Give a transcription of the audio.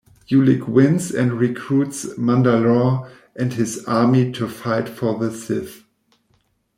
Ulic wins, and recruits Mandalore and his army to fight for the Sith.